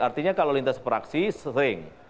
artinya kalau lintas fraksi sering